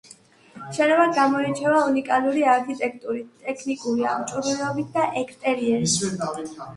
შენობა გამოირჩევა უნიკალური არქიტექტურით, ტექნიკური აღჭურვილობით და ექსტერიერით.